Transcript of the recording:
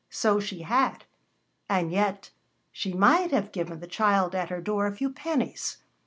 So she had. And yet she might have given the child at her door a few pennies.